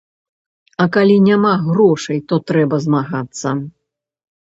А калі няма грошай, то трэба змагацца.